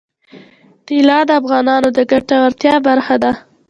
طلا د افغانانو د ګټورتیا برخه ده.